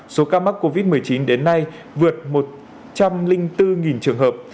số ca mắc covid một mươi chín đến nay vượt một trăm linh bốn trường hợp